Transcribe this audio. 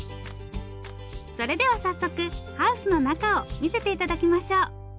それでは早速ハウスの中を見せて頂きましょう。